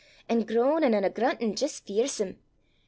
an' a groanin' an' a gruntin' jist fearsome.